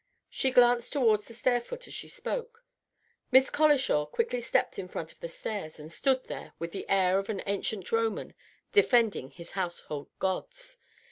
She glanced toward the stair foot as she spoke. Miss Colishaw quickly stepped in front of the stairs, and stood there with the air of an ancient Roman defending his household gods.